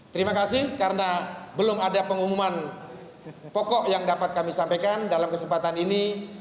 terima kasih karena belum ada pengumuman pokok yang dapat kami sampaikan dalam kesempatan ini